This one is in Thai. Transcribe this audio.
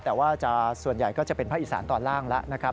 แต่ว่าส่วนใหญ่ก็จะเป็นภาคอีสานตอนล่างแล้วนะครับ